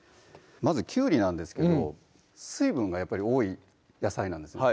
まずきゅうりなんですけど水分が多い野菜なんです